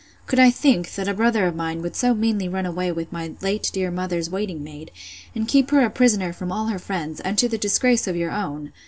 Could I think, that a brother of mine would so meanly run away with my late dear mother's waiting maid, and keep her a prisoner from all her friends, and to the disgrace of your own?